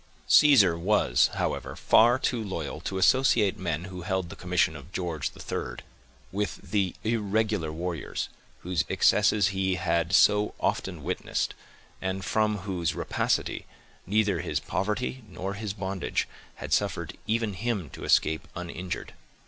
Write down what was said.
Caesar was, however, far too loyal to associate men who held the commission of George III, with the irregular warriors, whose excesses he had so often witnessed, and from whose rapacity, neither his poverty nor his bondage had suffered even him to escape uninjured.